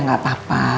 udah gak papa